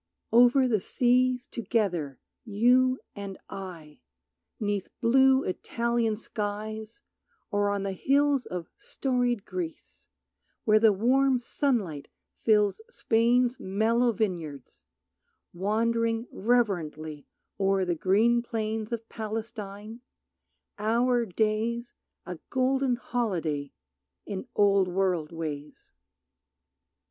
Over the seas together, you and I, 'Neath blue Italian skies, or on the hills Of storied Greece, where the warm sunlight fills Spain's mellow vineyards, wandering reverently O'er the green plains of Palestine, our days A golden holiday in Old World ways.